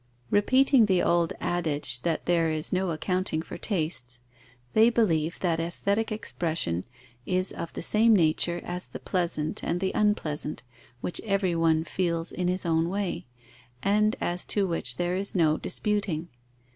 Repeating the old adage that there is no accounting for tastes, they believe that aesthetic expression is of the same nature as the pleasant and the unpleasant, which every one feels in his own way, and as to which there is no disputing.